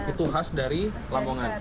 itu khas dari lambungan